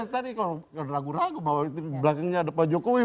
tadi kalau ragu ragu bahwa belakangnya ada pak jokowi